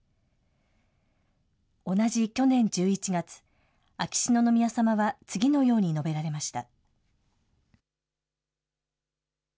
同じ去年１１月、秋篠宮さまは、次のように述べられました。